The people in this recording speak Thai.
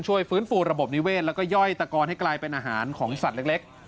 ฟื้นฟูระบบนิเวศแล้วก็ย่อยตะกอนให้กลายเป็นอาหารของสัตว์เล็ก